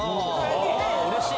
うれしい。